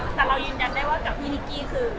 ความทำทรุปเหมือนกันเลย